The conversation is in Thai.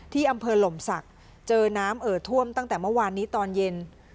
ที่อำเภอหล่มศักดิ์เจอน้ำเอ่อท่วมตั้งแต่เมื่อวานนี้ตอนเย็น